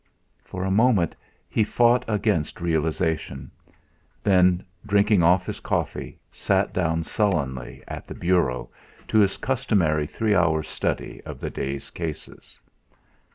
For a moment he fought against realisation; then, drinking off his coffee, sat down sullenly at the bureau to his customary three hours' study of the day's cases.